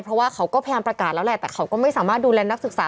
เพราะว่าเขาก็พยายามประกาศแล้วแหละแต่เขาก็ไม่สามารถดูแลนักศึกษา